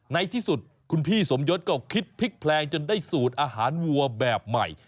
ในที่สุดคุณพี่สมยศก็คิดพลิกแพลงจนได้สูตรอาหารวัวแบบใหม่